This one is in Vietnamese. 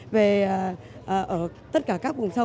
về ở tất cả các vùng sông